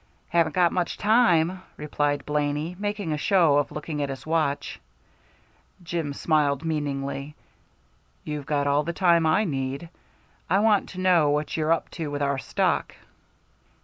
"Haven't got much time," replied Blaney, making a show of looking at his watch. Jim smiled meaningly. "You've got all the time I need. I want to know what you're up to with our stock."